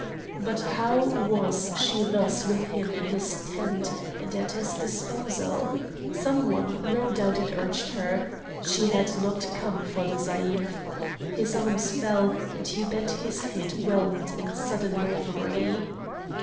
But how was she thus with him in his tent, and at his disposal? Some one no doubt had urged her. She had not come for the zaïmph. His arms fell, and he bent his head whelmed in sudden reverie.